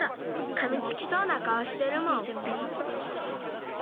かみつきそうなかおしてるもん。